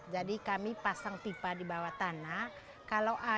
jadi kami pasang pipa di bawah tanah